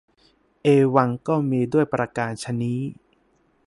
เอวัง ก็มีด้วยประการฉะนี้